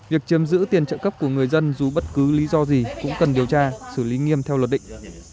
việc chiếm giữ tiền trợ cấp của người dân dù bất cứ lý do gì cũng cần điều tra xử lý nghiêm theo luật định